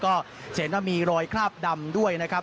ก็จะเห็นว่ามีรอยคราบดำด้วยนะครับ